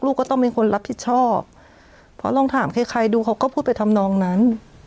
ก็ต้องเป็นคนรับผิดชอบเพราะลองถามใครใครดูเขาก็พูดไปทำนองนั้น